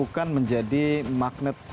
bukan menjadi magnet